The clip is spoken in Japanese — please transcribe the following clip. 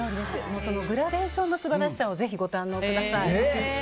グラデーションの素晴らしさをぜひご堪能ください。